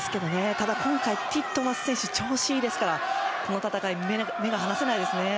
ただ、今回ティットマス選手調子がいいですからこの戦い、目が離せないですね。